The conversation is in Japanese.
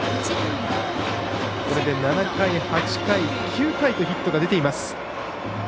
これで７回、８回、９回とヒットが出ています。